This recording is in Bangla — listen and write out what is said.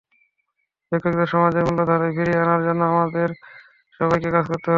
ভিক্ষুকদের সমাজের মূলধারায় ফিরিয়ে আনার জন্য আমাদের–আপনাদের সবাইকে কাজ করতে হবে।